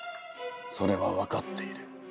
それは分かっている。